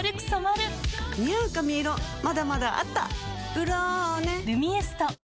「ブローネ」「ルミエスト」